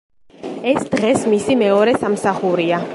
ეს დღეს მისი მეორე სამსახურია.